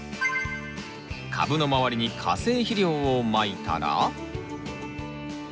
株の周りに化成肥料をまいたら。